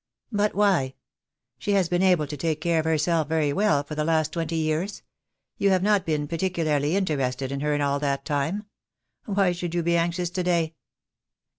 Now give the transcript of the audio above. "But why? She has been able to take care of her self very well for the last twenty years. You have not been particularly interested in her all that time. Why should you be anxious to day?"